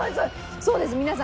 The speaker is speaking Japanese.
そうです皆さん。